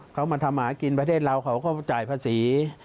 เขามาทำหากินประเทศเราเขาก็จ่ายภาษี